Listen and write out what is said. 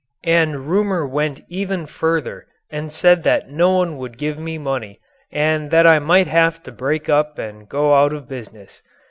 And rumour went even further and said that no one would give me money and that I might have to break up and go out of business.